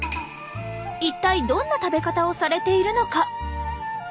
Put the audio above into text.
一体どんな食べ方をされているのか？